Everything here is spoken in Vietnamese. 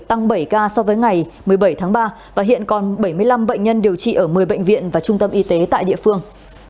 tăng bảy ca so với ngày một mươi bảy tháng ba và hiện còn bảy mươi năm bệnh nhân điều trị ở một mươi bệnh viện và trung tâm y tế tại địa phương